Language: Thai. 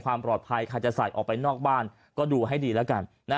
ความปลอดภัยใครจะใส่ออกไปนอกบ้านก็ดูให้ดีแล้วกัน